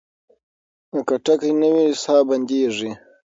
که ټکی نه وي ساه بندېږي.